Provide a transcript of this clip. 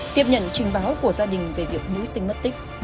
tiếp nhận trình báo của gia đình về việc nữ sinh mất tích